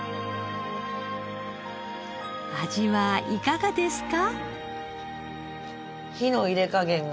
味はいかがですか？